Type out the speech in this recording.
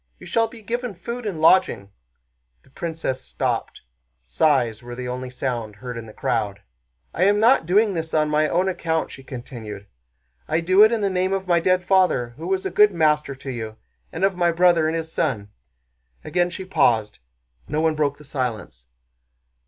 You shall be given food and lodging." The princess stopped. Sighs were the only sound heard in the crowd. "I am not doing this on my own account," she continued, "I do it in the name of my dead father, who was a good master to you, and of my brother and his son." Again she paused. No one broke the silence.